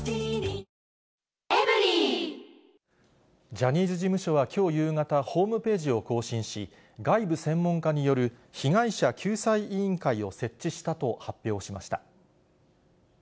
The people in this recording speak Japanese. ジャニーズ事務所はきょう夕方、ホームページを更新し、外部専門家による被害者救済委員会を設置したと発表しました。